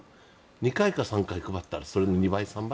２回か３回配ったらその２倍、３倍。